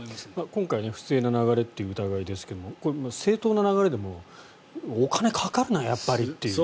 今回は不正な流れという疑いですけれど正当な流れでも、お金かかるなやっぱりっていう。